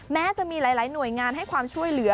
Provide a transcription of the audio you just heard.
แม้จะมีหลายหน่วยงานให้ความช่วยเหลือ